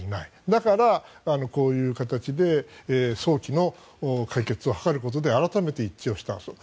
だから、こういう形で早期の解決を図ることで改めて一致したと。